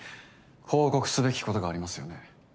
報告すべきことがありますよね？